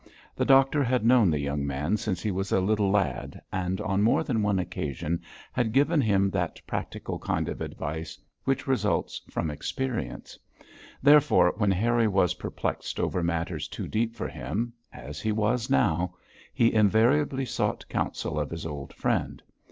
The doctor had known the young man since he was a little lad, and on more than one occasion had given him that practical kind of advice which results from experience; therefore, when Harry was perplexed over matters too deep for him as he was now he invariably sought counsel of his old friend.